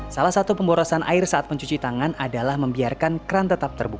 salah satu pemborosan air saat mencuci tangan adalah membiarkan kran tetap terbuka